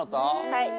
はい。